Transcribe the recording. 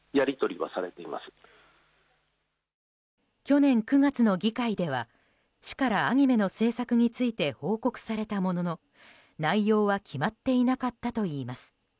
去年９月の議会では市からアニメの制作について報告されたものの、内容は決まっていなかったといいます。